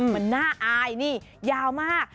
มันน่าอายนี่ยาวมาก